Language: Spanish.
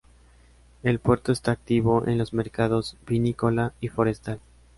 El puerto está activo en los mercados vinícola y forestal.